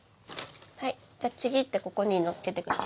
じゃあちぎってここにのっけて下さい。